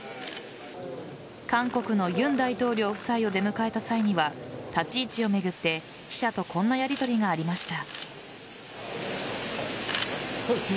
韓国の尹大統領夫妻を出迎えた際には立ち位置を巡って記者とこんなやりとりがありました。